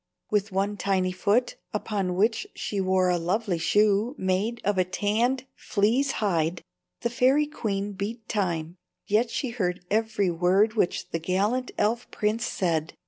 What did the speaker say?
With one tiny foot, upon which she wore a lovely shoe made of a tanned flea's hide, the fairy queen beat time, yet she heard every word which the gallant elf prince said.